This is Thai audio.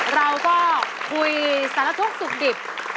เราก็คุยสารทุกข์สุขดิบ